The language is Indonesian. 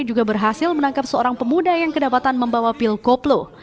juga berhasil menangkap seorang pemuda yang kedapatan membawa pil koplo